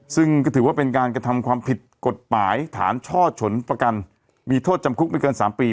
ซึ่งก็ถือว่าเป็นการกระทำความผิดกฎหมายฐานช่อฉนประกันมีโทษจำคุกไม่เกิน๓ปี